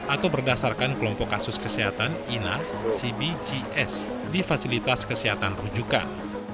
atau berdasarkan kelompok kasus kesehatan ina cbgs di fasilitas kesehatan rujukan